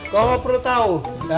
kau mau perlu tau